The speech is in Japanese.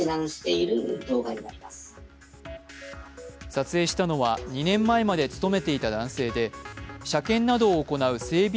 撮影したのは、２年前まで勤めていた男性で車検などを行う整備